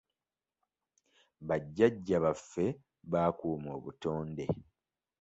Ba jjajja baffe baakuuma obutonde.